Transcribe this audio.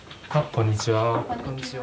こんにちは。